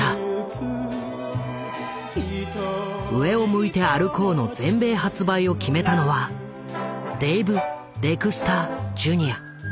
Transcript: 「上を向いて歩こう」の全米発売を決めたのはデイブ・デクスター・ジュニア。